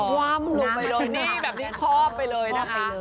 ว่ำลงไปเลยนี่แบบนี้คอบไปเลยนะคะ